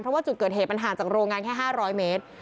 เพราะว่าจุดเกิดเหตุมันห่างจากโรงงานแค่๕๐๐เมตร